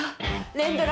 連ドラ